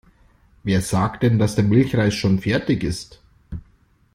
Wer sagt denn, dass der Milchreis schon fertig ist?